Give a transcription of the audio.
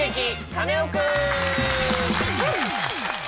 カネオくん」！